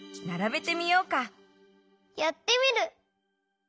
やってみる！